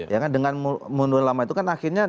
ya kan dengan mundur lama itu kan akhirnya